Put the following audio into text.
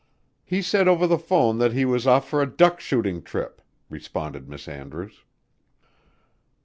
"He said over the 'phone that he was off for a duck shooting trip," responded Miss Andrews.